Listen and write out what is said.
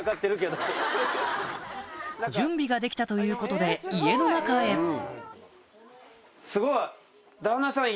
準備ができたということで家の中へ旦那さん